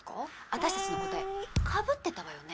私たちの答えかぶってたわよね？